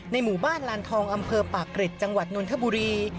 หมู่บ้านลานทองอำเภอปากเกร็ดจังหวัดนนทบุรี